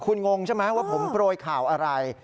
คุณงงใช่ไหมว่าผมโปรยข่าวอะไร